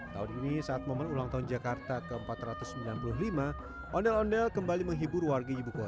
tahun ini saat momen ulang tahun jakarta ke empat ratus sembilan puluh lima ondel ondel kembali menghibur warga ibu kota